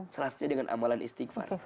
selanjutnya dengan amalan istighfar